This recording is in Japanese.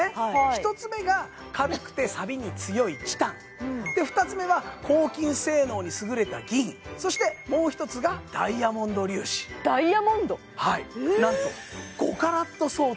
１つ目が軽くてサビに強いチタン２つ目は抗菌性能にすぐれた銀そしてもう一つがダイヤモンド粒子ダイヤモンド！？